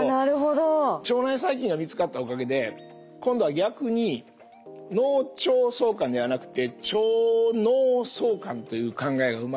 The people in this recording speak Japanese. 腸内細菌が見つかったおかげで今度は逆に「脳腸相関」ではなくて「腸脳相関」という考えが生まれてきて。